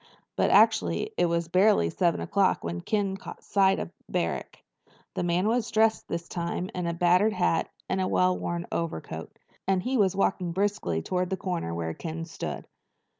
But actually it was barely seven o'clock when Ken caught sight of Barrack. The man was dressed this time in a battered hat and well worn overcoat, and he was walking briskly toward the corner where Ken stood.